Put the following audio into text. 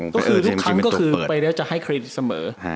เฟฟคล้ำก็คือไปแล้วจะให้เครดิสเสมอ